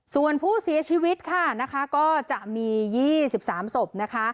ส่วนผู้เสียชีวิตค่ะนะคะก็จะมี๒๓ศพนะคะ